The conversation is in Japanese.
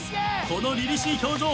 このりりしい表情。